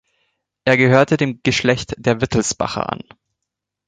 Er gehörte dem Geschlecht der Wittelsbacher an.